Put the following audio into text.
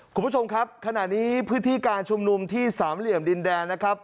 คุณผู้ชมครับขณะนี้พื้นที่การชุมนุมที่สามเหลี่ยมดินแดนนะครับ